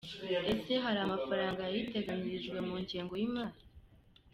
Ese hari amafaranga yayiteganirijwe mu ngengo y’imari ?